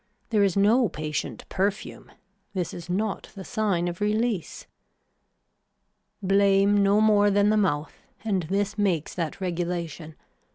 There is no patient perfume. This is not the sign of release. Blame no more than the mouth and this makes that regulation.